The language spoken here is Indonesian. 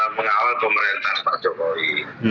mengawal pemerintahan pak jokowi